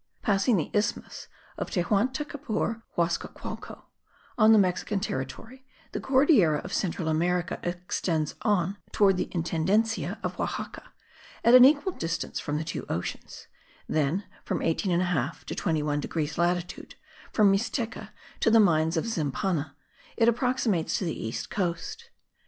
Passing the isthmus of Tehuantepecor Huasacualco, on the Mexican territory, the Cordillera of central America extends on toward the intendancia of Oaxaca, at an equal distance from the two oceans; then from 18 1/2 to 21 degrees latitude, from Misteca to the mines of Zimapan, it approximates to the eastern coast.